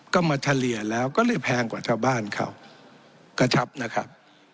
ก็มาเฉลี่ยแล้วก็เลยแพงกว่าชาวบ้านเขากระชับนะครับ